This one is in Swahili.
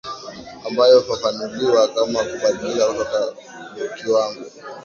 ambayo hufafanuliwa kama kubadilika kutoka kiwango